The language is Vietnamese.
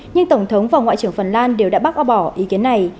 nhưng tổng thống và ngoại trưởng phần lan đều đã bác bỏ ý kiến này